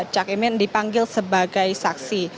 cak imin dipanggil sebagai saksi